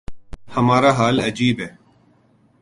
ہمارا حال عجیب ہے۔